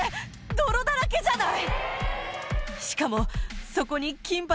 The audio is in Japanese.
泥だらけじゃない！